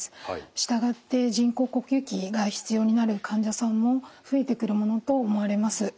従って人工呼吸器が必要になる患者さんも増えてくるものと思われます。